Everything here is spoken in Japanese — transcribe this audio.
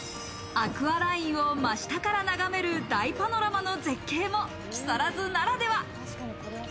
アクアラインを真下から眺める大パノラマの絶景も木更津ならでは。